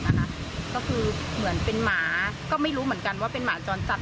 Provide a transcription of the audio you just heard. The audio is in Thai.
ก็คือเหมือนเป็นหมาก็ไม่รู้เหมือนกันว่าเป็นหมาจรจัด